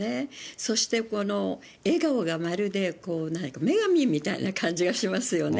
そしてこの笑顔がまるで、女神みたいな感じがしますよね。